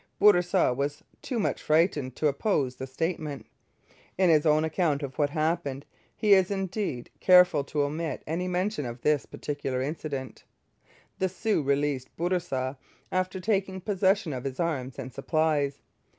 Bourassa was too much frightened to oppose the statement. In his own account of what happened he is, indeed, careful to omit any mention of this particular incident. The Sioux released Bourassa, after taking possession of his arms and supplies.